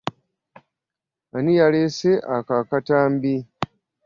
Ani yaleese ako akatambi?